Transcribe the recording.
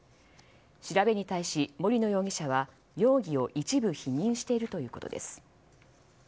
調べに対し、森野容疑者は容疑を一部否認しているということです。